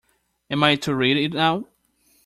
Am I to read it now?